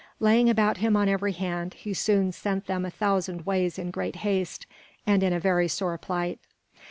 Laying about him on every hand, he soon sent them a thousand ways in great haste, and in a very sore plight.